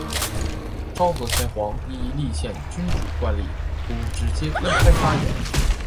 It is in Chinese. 昭和天皇依立宪君主惯例不直接公开发言。